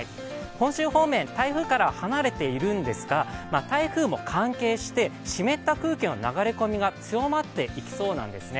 本州方面、台風から離れているんですが台風も関係して湿った空気の流れ込みが強まっていきそうなんですね。